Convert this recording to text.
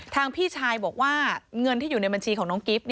พี่ชายบอกว่าเงินที่อยู่ในบัญชีของน้องกิฟต์